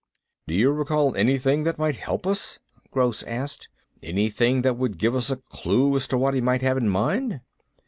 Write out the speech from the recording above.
"Do you recall anything that might help us?" Gross asked. "Anything that would give us a clue as to what he might have in mind?"